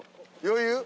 余裕？